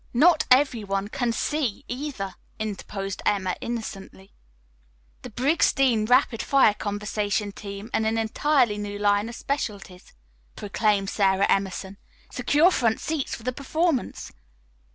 "Not everyone 'can see' either," interposed Emma innocently. "The Briggs Dean rapid fire conversation team in an entirely new line of specialties," proclaimed Sara Emerson. "Secure front seats for the performance."